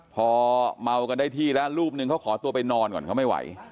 พอเมากันได้ที่แล้วรูปหนึ่งเขาขอตัวไปนอนก่อนเขาไม่ไหว